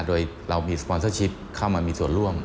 โดยเรามีสปอนเซอร์ชิปเข้ามามีส่วนร่วม